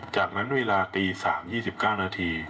จากนั้นเวลาตี๓๒๙นาที